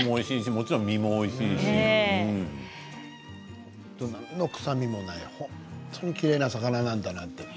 もちろん身もおいしいし臭みもない本当にきれいな魚なんだなって。